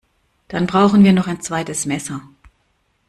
Dann brauchen wir noch ein zweites Messer